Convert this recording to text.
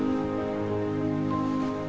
aku masih bercinta sama kamu